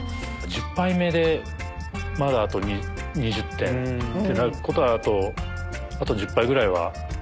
１０杯目でまだあと２０点ってことだとあと１０杯ぐらいはまた。